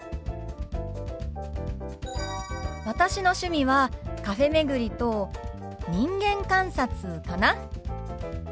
私の趣味はカフェ巡りと人間観察かな。